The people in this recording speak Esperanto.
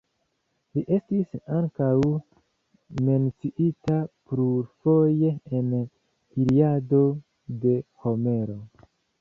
Li estis ankaŭ menciita plurfoje en "Iliado", de Homero.